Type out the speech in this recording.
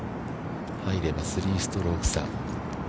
入れば、３ストローク差。